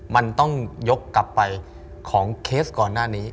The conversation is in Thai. มันต้องยกกลับไปของเคสก่อนหน้านี้